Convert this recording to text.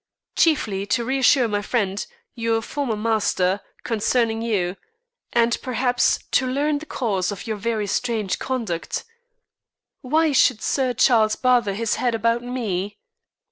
"Chiefly to reassure my friend, your former master, concerning you; and, perhaps, to learn the cause of your very strange conduct." "Why should Sir Charles bother his head about me?"